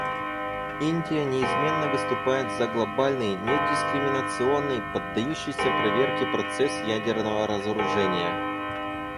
Индия неизменно выступает за глобальный, недискриминационный, поддающийся проверке процесс ядерного разоружения.